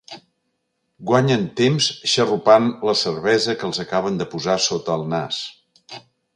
Guanyen temps xarrupant la cervesa que els acaben de posar sota el nas.